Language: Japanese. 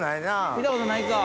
見たことないな。